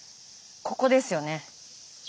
ここですよね。